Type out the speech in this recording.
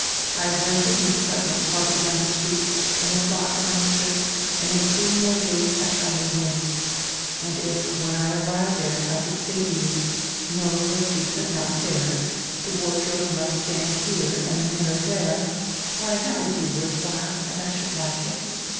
I have rented an apartment farther down the street and have bought furniture, and in three more days I shall move in. And if, when I arrive there, I could say to you: 'No, Roswitha, not there, the wardrobe must stand here and the mirror there,' why, that would be worth while, and I should like it.